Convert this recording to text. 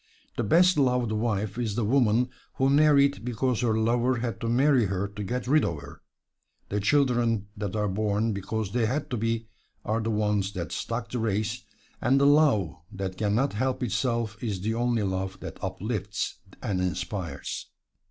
The best loved wife is the woman who married because her lover had to marry her to get rid of her; the children that are born because they had to be are the ones that stock the race; and the love that can not help itself is the only love that uplifts and inspires.